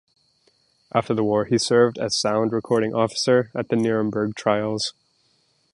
After the war, he served as Sound Recording Officer at the Nuremberg Trials.